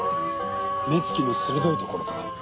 目つきの鋭いところとか。